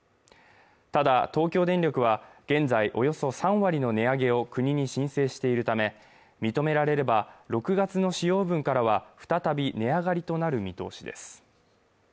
ただ東京電力は現在およそ３割の値上げを国に申請しているため認められれば６月の使用分からは再び値上がりとなる見通しです